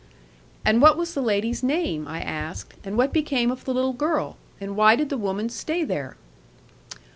'And what was the lady's name?' I asked; 'and what became of the little girl? And why did the woman stay there?'